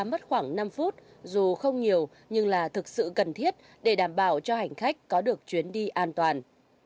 mất khoảng năm phút dù không nhiều nhưng là thực sự cần thiết để đảm bảo cho hành khách có được chuyến đi an toàn